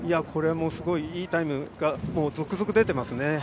これもいいタイムが続々、出ていますね。